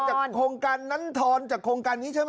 โครงการนั้นทอนจากโครงการนี้ใช่ไหม